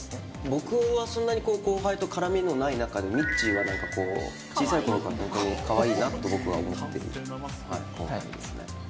僕はそんなに後輩と絡みのない中で、みっちーはなんか小さいころから、僕はかわいいなと思っている後輩ですね。